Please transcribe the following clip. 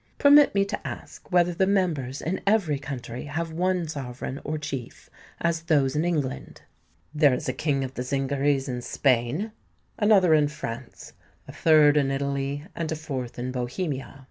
"Permit me to ask whether the members in every country have one sovereign or chief, as those in England?" "There is a King of the Zingarees in Spain; another in France; a third in Italy; and a fourth in Bohemia.